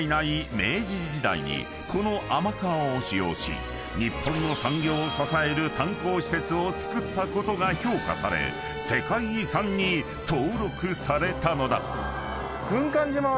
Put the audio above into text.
［この天川を使用し日本の産業を支える炭鉱施設を造ったことが評価され世界遺産に登録されたのだ］